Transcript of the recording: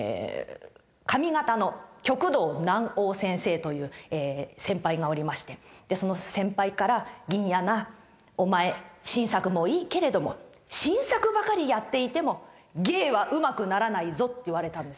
上方の旭堂南鷹先生という先輩がおりましてその先輩から「銀冶なお前新作もいいけれども新作ばかりやっていても芸はうまくならないぞ」って言われたんですよ。